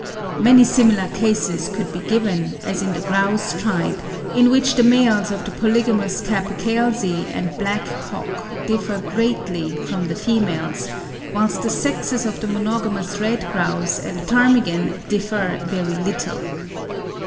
Many similar cases could be given, as in the grouse tribe, in which the males of the polygamous capercailzie and black cock differ greatly from the females; whilst the sexes of the monogamous red grouse and ptarmigan differ very little.